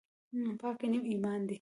پاکي نیم ایمان دی